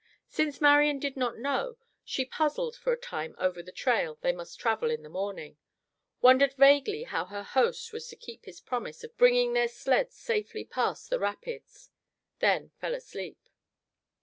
Since Marian did not know, she puzzled for a time over the trail they must travel in the morning; wondered vaguely how her host was to keep his promise of bringing their sleds safely past the rapids; then fell asleep.